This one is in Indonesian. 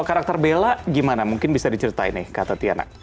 karakter bella gimana mungkin bisa diceritain nih kata tiana